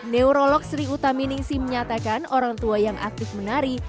neurolog sri utaminingsi menyatakan orang tua yang aktif menari